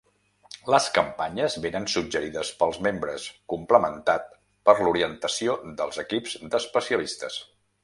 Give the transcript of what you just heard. Les campanyes vénen suggerides pels membres, complementat per l'orientació dels equips d'especialistes.